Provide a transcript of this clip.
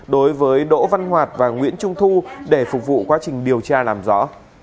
nguyễn trung thu và nguyễn trung thu để phục vụ quá trình điều tra làm rõ